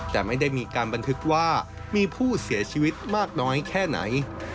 แต่ไม่ได้มีการบันทึกว่ามีผู้เสียชีวิตมากน้อยแค่ไหน